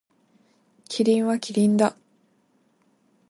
キリンはキリンだ。